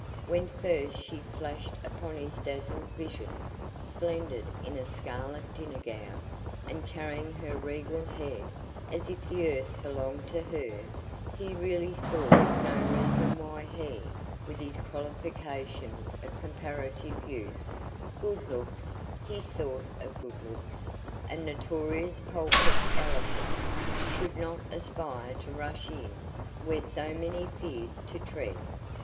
When first she flashed upon his dazzled vision, splendid in a scarlet dinner gown, and carrying her regal head as if the earth belonged to her, he really saw no reason why he, with his qualifications of comparative youth, good looks (his sort of good looks), and notorious pulpit eloquence, should not aspire to rush in where so many feared to tread.